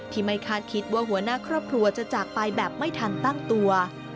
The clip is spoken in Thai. ไม่คาดคิดว่าหัวหน้าครอบครัวจะจากไปแบบไม่ทันตั้งตัว